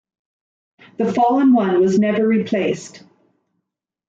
The fallen one was never replaced.